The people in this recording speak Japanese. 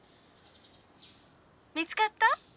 見つかった？